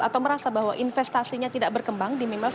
atau merasa bahwa investasinya tidak berkembang di mimiles